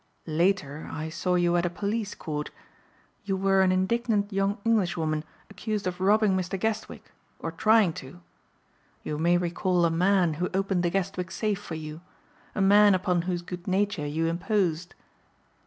"Later I saw you at a police court. You were an indignant young English woman accused of robbing Mr. Guestwick or trying to. You may recall a man who opened the Guestwick safe for you, a man upon whose good nature you imposed."